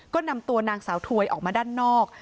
ก็นำตัวนางสาวถวยออกมาด้านนอก